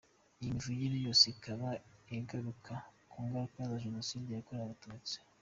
Iyi mivugo yose ikaba igaruka ku ngaruka za Jenoside yakorewe abatutsi.